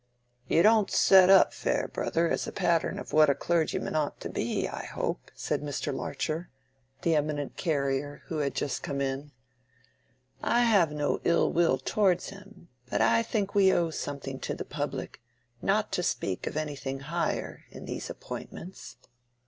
"You don't set up Farebrother as a pattern of what a clergyman ought to be, I hope," said Mr. Larcher, the eminent carrier, who had just come in. "I have no ill will towards him, but I think we owe something to the public, not to speak of anything higher, in these appointments.